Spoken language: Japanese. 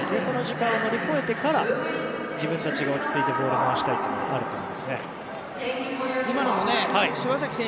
その時間を乗り越えてから自分たちが落ち着いてボールを回したいというのがあると思います。